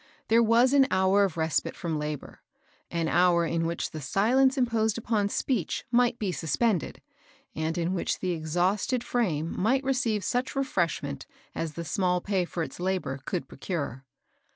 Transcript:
There was an hour of respite from labor, — an hour in which the silence imposed upon speech might be sus pended, and in which the exhausted frame might receive such refreshment as the small pay for its labor could procure.